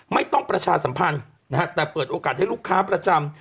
ไม่ต้องประชาสัมพันธ์นะครับแต่เปิดโอกาสให้ลูกค้าประจำ